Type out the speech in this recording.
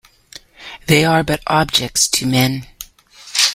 They are but objects to men.